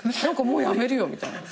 もうやめるよみたいな。